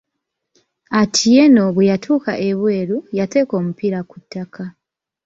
Atieno bwe yatuuka ebweru, yateeka omupiira ku ttaka.